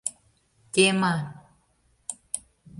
Тема.